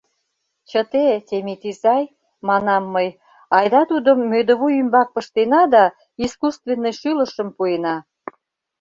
— Чыте, Темит изай, — манам мый, — айда тудым мӧдывуй ӱмбак пыштена да искусственный шӱлышым пуэна.